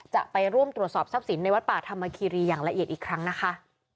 จะไปร่วมตรวจสอบทรัพย์สินในวัดป่าธรรมคีรีอย่างละเอียดอีกครั้งนะคะ